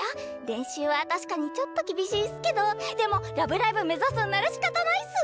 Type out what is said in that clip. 練習は確かにちょっと厳しいっすけどでも「ラブライブ！」目指すんならしかたないっす！